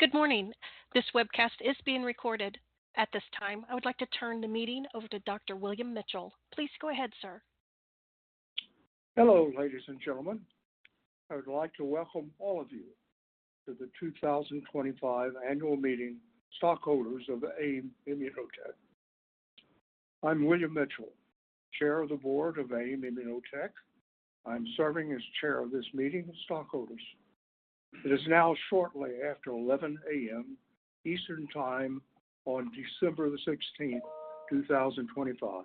Good morning. This webcast is being recorded. At this time, I would like to turn the meeting over to Dr. William Mitchell. Please go ahead, sir. Hello, ladies and gentlemen. I would like to welcome all of you to the 2025 Annual Meeting, Stockholders of AIM ImmunoTech. I'm William Mitchell, Chair of the Board of AIM ImmunoTech. I'm serving as Chair of this meeting of stockholders. It is now shortly after 11:00 A.M. Eastern Time on December the 16th, 2025,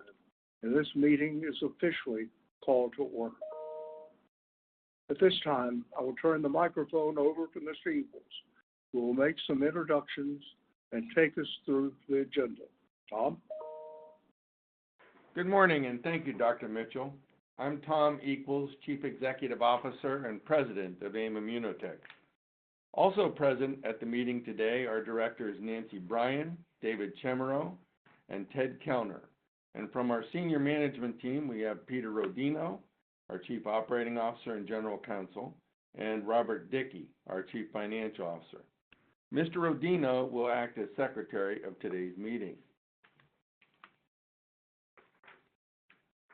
and this meeting is officially called to order. At this time, I will turn the microphone over to Mr. Equels, who will make some introductions and take us through the agenda. Tom? Good morning, and thank you, Dr. Mitchell. I'm Tom Equels, Chief Executive Officer and President of AIM ImmunoTech. Also present at the meeting today are Directors Nancy Bryan, David Chemerow, and Ted Kellner, and from our Senior Management Team, we have Peter Rodino, our Chief Operating Officer and General Counsel, and Robert Dickey, our Chief Financial Officer. Mr. Rodino will act as Secretary of today's meeting.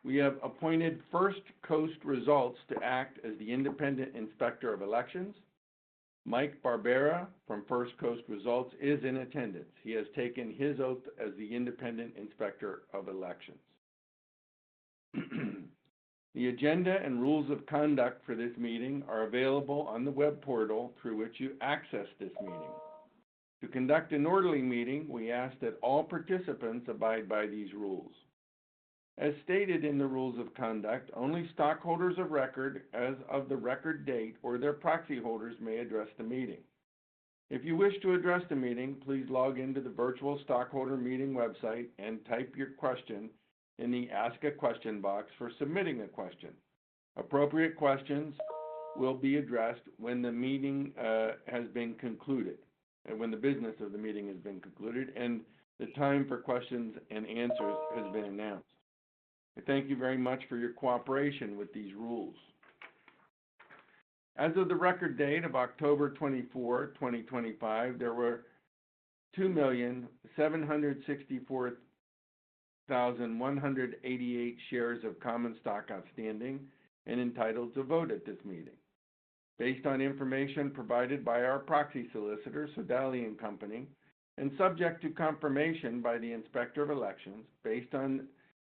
We have appointed First Coast Results to act as the Independent Inspector of Elections. Mike Barbera from First Coast Results is in attendance. He has taken his oath as the Independent Inspector of Elections. The agenda and rules of conduct for this meeting are available on the web portal through which you access this meeting. To conduct an orderly meeting, we ask that all participants abide by these rules. As stated in the rules of conduct, only stockholders of record as of the record date or their proxy holders may address the meeting. If you wish to address the meeting, please log into the virtual stockholder meeting website and type your question in the Ask a Question box for submitting a question. Appropriate questions will be addressed when the meeting has been concluded, and when the business of the meeting has been concluded, and the time for questions and answers has been announced. Thank you very much for your cooperation with these rules. As of the record date of October 24, 2025, there were 2,764,188 shares of common stock outstanding and entitled to vote at this meeting. Based on information provided by our proxy solicitor, Sodali & Co, and subject to confirmation by the Inspector of Elections based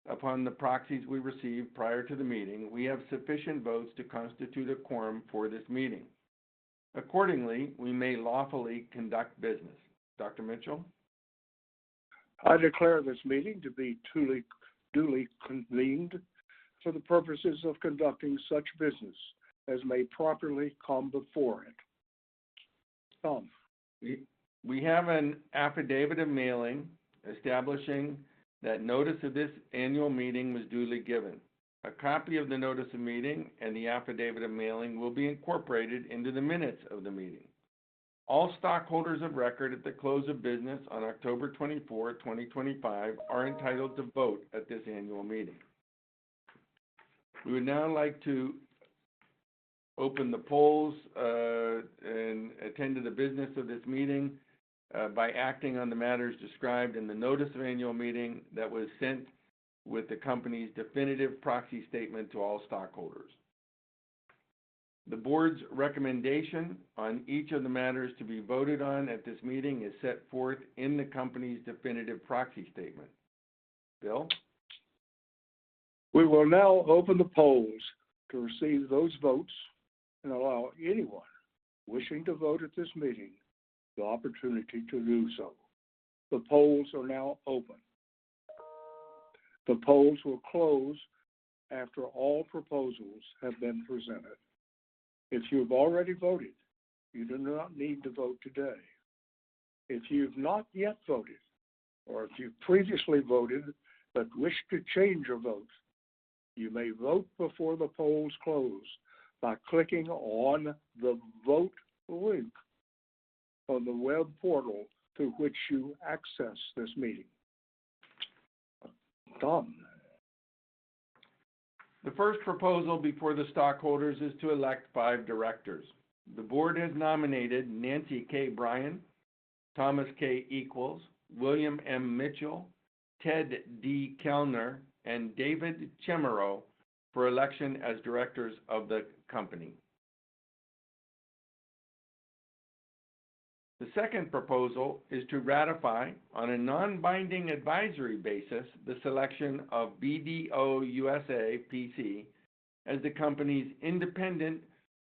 upon the proxies we received prior to the meeting, we have sufficient votes to constitute a quorum for this meeting. Accordingly, we may lawfully conduct business. Dr. Mitchell? I declare this meeting to be duly convened for the purposes of conducting such business as may properly come before it. Tom? We have an affidavit of mailing establishing that notice of this annual meeting was duly given. A copy of the notice of meeting and the affidavit of mailing will be incorporated into the minutes of the meeting. All stockholders of record at the close of business on October 24, 2025, are entitled to vote at this annual meeting. We would now like to open the polls and attend to the business of this meeting by acting on the matters described in the notice of annual meeting that was sent with the company's definitive proxy statement to all stockholders. The board's recommendation on each of the matters to be voted on at this meeting is set forth in the company's definitive proxy statement. Bill? We will now open the polls to receive those votes and allow anyone wishing to vote at this meeting the opportunity to do so. The polls are now open. The polls will close after all proposals have been presented. If you have already voted, you do not need to vote today. If you have not yet voted, or if you've previously voted but wish to change your vote, you may vote before the polls close by clicking on the vote link on the web portal through which you access this meeting. Tom? The first proposal before the stockholders is to elect five directors. The board has nominated Nancy K. Bryan, Thomas K. Equels, William M. Mitchell, Ted D. Kellner, and David Chemerow for election as directors of the company. The second proposal is to ratify on a non-binding advisory basis the selection of BDO USA, P.C. as the company's independent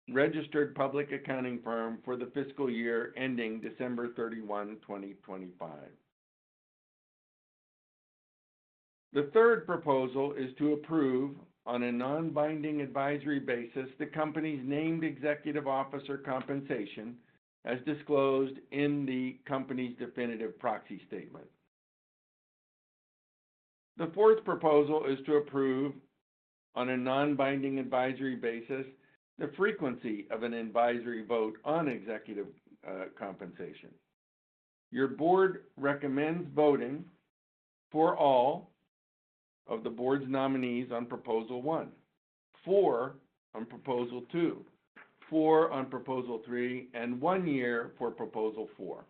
registered public accounting firm for the fiscal year ending December 31, 2025. The third proposal is to approve on a non-binding advisory basis the company's named executive officer compensation as disclosed in the company's definitive proxy statement. The fourth proposal is to approve on a non-binding advisory basis the frequency of an advisory vote on executive compensation. Your board recommends voting for all of the board's nominees on proposal one, four on proposal two, four on proposal three, and one year for proposal four.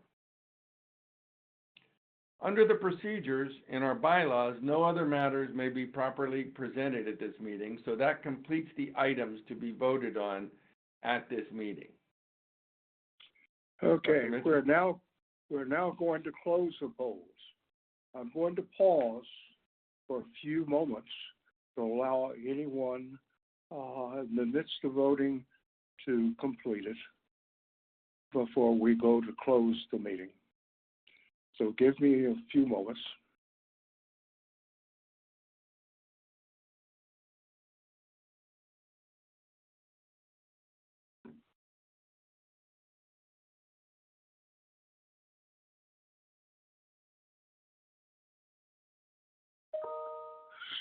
Under the procedures in our bylaws, no other matters may be properly presented at this meeting, so that completes the items to be voted on at this meeting. Okay. We're now going to close the polls. I'm going to pause for a few moments to allow anyone in the midst of voting to complete it before we go to close the meeting. So give me a few moments.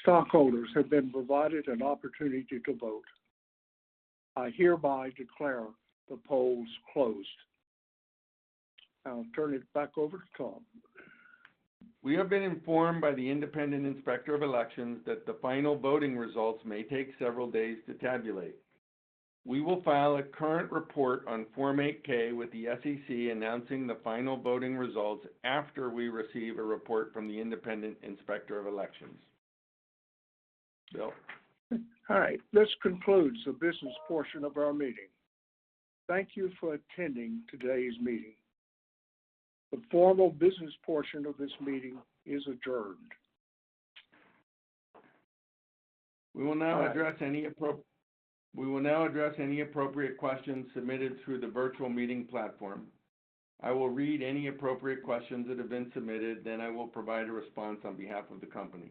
Stockholders have been provided an opportunity to vote. I hereby declare the polls closed. I'll turn it back over to Tom. We have been informed by the Independent Inspector of Elections that the final voting results may take several days to tabulate. We will file a current report on Form 8-K with the SEC announcing the final voting results after we receive a report from the Independent Inspector of Elections. Bill? All right. Let's conclude the business portion of our meeting. Thank you for attending today's meeting. The formal business portion of this meeting is adjourned. We will now address any appropriate questions submitted through the virtual meeting platform. I will read any appropriate questions that have been submitted, then I will provide a response on behalf of the company.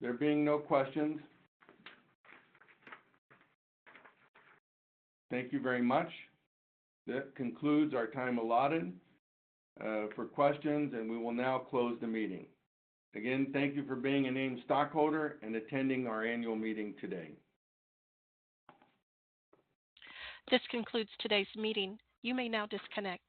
There being no questions, thank you very much. That concludes our time allotted for questions, and we will now close the meeting. Again, thank you for being an AIM stockholder and attending our annual meeting today. This concludes today's meeting. You may now disconnect.